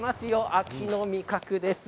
秋の味覚です。